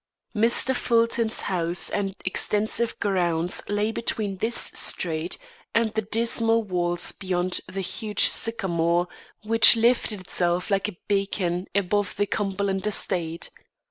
Mr. Fulton's house and extensive grounds lay between this street and the dismal walls beyond the huge sycamore which lifted itself like a beacon above the Cumberland estate.